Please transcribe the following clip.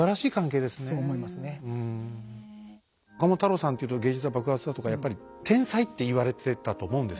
岡本太郎さんっていうと「芸術は爆発だ！」とかやっぱり天才って言われてたと思うんですけど